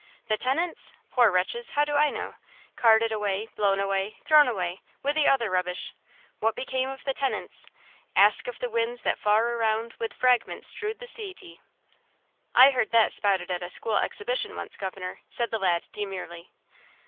"The tenants? poor wretches! how do I know? Carted away, blown away, thrown away, with the other rubbish. What became of the tenants? " 'Ask of the winds that far around With fragments strewed the sea ty!' I heard that spouted at a school exhibition once, governor!" said the lad, demurely.